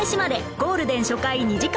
ゴールデン初回２時間